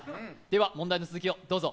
では、問題の続きをどうぞ。